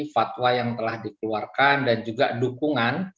fatwa yang telah dikeluarkan dan juga dukungan